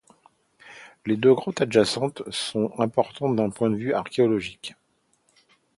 Les deux grottes adjacentes sont importantes d'un point de vue archéologique.